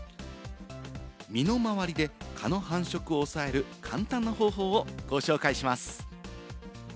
身の回りで蚊の繁殖を抑える簡単な方法をご紹介します。